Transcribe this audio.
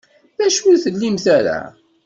D acu ur tlimt ara?